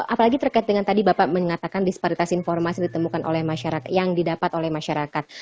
apalagi terkait dengan tadi bapak mengatakan disparitas informasi yang didapat oleh masyarakat